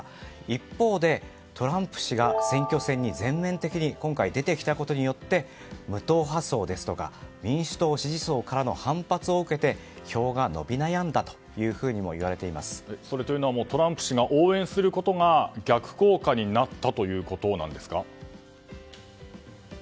一方でトランプ氏が選挙戦に全面的に今回、出てきたことによって無党派層や民主党支持層からの反発を受けて票が伸び悩んだというふうにもトランプ氏が応援することが逆効果になったということですか。